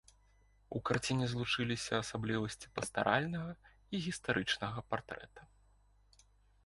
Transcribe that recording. У карціне злучыліся асаблівасці пастаральнага і гістарычнага партрэта.